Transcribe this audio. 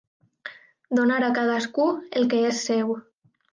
Donar a cadascú el que és seu.